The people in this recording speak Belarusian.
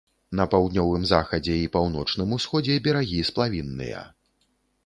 На паўднёвым захадзе і паўночным усходзе берагі сплавінныя.